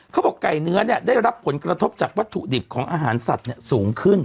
เขาบอกไก่เนื้อได้รับผลกระทบจากวัตถุดิบของอาหารสัตว์สูงขึ้น